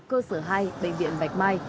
cơ sở hai bệnh viện bạch mai